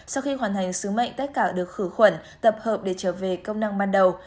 sau khi hoàn thành sứ mệnh tất cả được khử khuẩn tập hợp để trở về công năng ban đầu